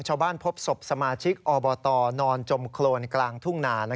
พบศพสมาชิกอบตนอนจมโครนกลางทุ่งนา